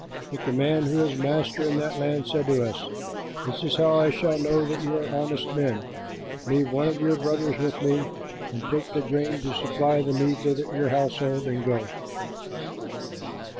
But the man who is master in that land said to us, 'This is how I shall know that you are honest men: leave one of your brothers with me and take the grain to supply the needs of your households and go.